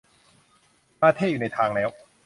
มาเธ่อยู่ในทางแล้ว